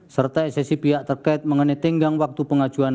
serta eksesi pihak terkait mengenai tenggang waktu pengajuan